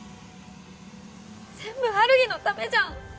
全部ハルヒのためじゃん！